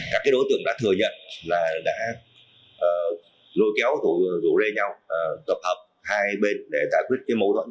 các đối tượng đã thừa nhận đã lôi kéo rủ ra nhau tập hợp hai bên để giải quyết